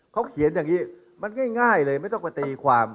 เขาเขียนอย่างนี้มันง่ายเลยไม่ต้องไปตีความ